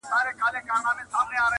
چي مو د پېغلو سره سم ګودر په کاڼو ولي-